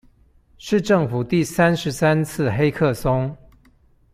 是政府第三十三次黑客松